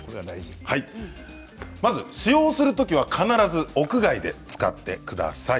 使用するときは必ず屋外で使ってください。